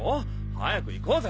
早く行こうぜ！